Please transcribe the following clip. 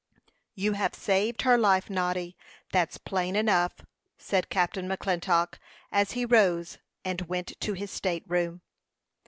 "You have saved her life, Noddy; that's plain enough," said Captain McClintock, as he rose and went to his state room.